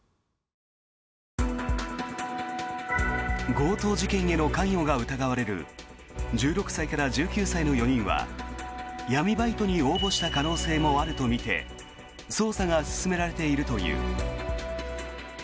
強盗事件への関与が疑われる１６歳から１９歳の４人は闇バイトに応募した可能性もあるとみて捜査が進められているという。